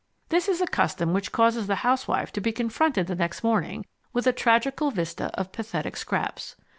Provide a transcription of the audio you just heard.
This is a custom which causes the housewife to be confronted the next morning with a tragical vista of pathetic scraps.